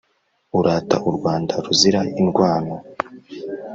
urata u rwanda ruzira indwano